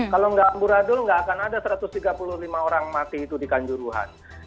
kalau nggak amburadul nggak akan ada satu ratus tiga puluh lima orang mati itu di kanjuruhan